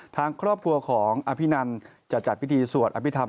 ทางครอบครัวของอภินันจะจัดพิธีสวดอภิษฐรร